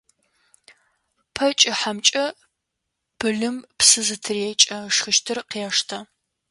Пэ кӏыхьэмкӏэ пылым псы зытырекӏэ, ышхыщтыр къештэ.